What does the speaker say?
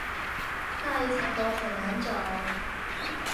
那一层楼很难找